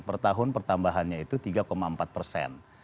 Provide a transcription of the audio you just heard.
pertahun pertambahannya itu tiga empat persen